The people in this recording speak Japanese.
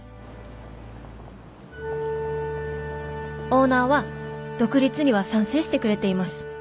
「オーナーは独立には賛成してくれています。